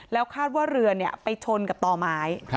แล้วคาดว่าเรือไปชนกับต่อไม้